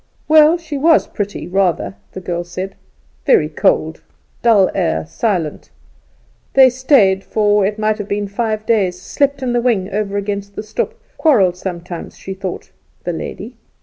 Well, she was pretty, rather, the girl said; very cold, dull air, silent. They stayed for, it might be, five days; slept in the wing over against the stoep; quarrelled sometimes, she thought the lady.